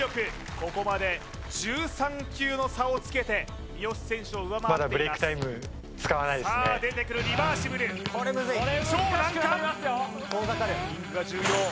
ここまで１３球の差をつけて三好選手を上回っていますさあ出てくるリバーシブル超難関タイミングが重要